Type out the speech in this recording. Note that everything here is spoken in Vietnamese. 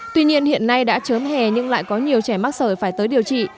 tuy nhiên hiện nay đã chớm hè nhưng lại có nhiều trẻ mắc sởi phải tới điều trị